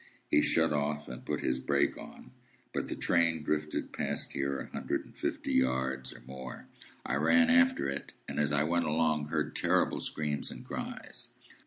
He shut off, and put his brake on, but the train drifted past here a hundred and fifty yards or more. I ran after it, and, as I went along, heard terrible screams and cries.